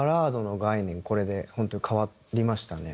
これで本当変わりましたね。